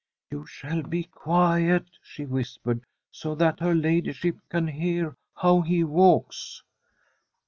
* You shall be quiet,' she whispered, * so that her ladyship can hear how he walks.'